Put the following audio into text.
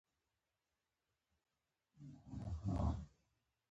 جګړه ژوند کمزوری کوي